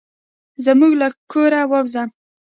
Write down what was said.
زموږ له کوره ووزه.